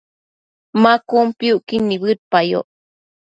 Ma piucquid nibëdeyoc